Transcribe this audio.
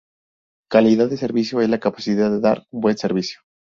Calidad de servicio es la capacidad de dar un buen servicio.